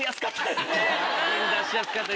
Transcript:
銀出しやすかった。